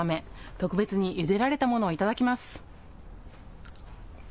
特別にゆでられたものを頂きます。